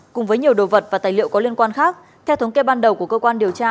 cùng với nhiều đồ vật và tài liệu có liên quan khác theo thống kê ban đầu của cơ quan điều tra